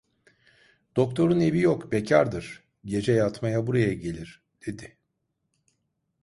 Doktorun evi yok, bekardır; gece yatmaya buraya gelir! dedi.